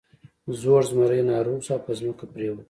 زوړ زمری ناروغ شو او په ځمکه پریوت.